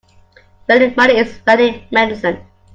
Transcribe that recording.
Ready money is ready medicine.